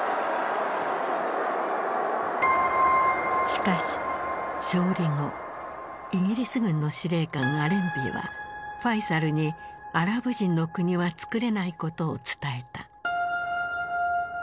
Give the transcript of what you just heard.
しかし勝利後イギリス軍の司令官アレンビーはファイサルにアラブ人の国はつくれないことを伝えた。